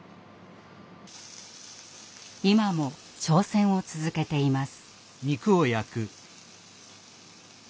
今も挑戦を続けています。